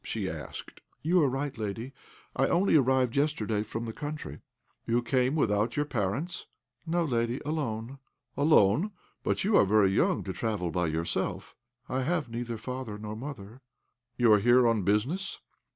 she asked. "You are right, lady; I only arrived yesterday from the country." "You came with your parents?" "No, lady, alone." "Alone! but you are very young to travel by yourself." "I have neither father nor mother." "You are here on business?"